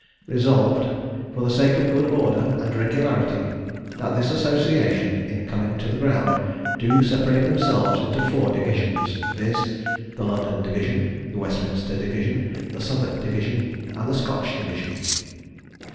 "Resolved, For the sake of good order and regularity, that this association, in coming to the ground, do separate themselves into four divisions, viz. the London division, the Westminster division, the Southwark division, and the Scotch division.